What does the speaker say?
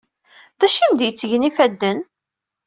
D acu am-d-yettgen ifadden?